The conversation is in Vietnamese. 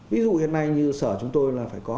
ví dụ hiện nay như sở chúng tôi là phải có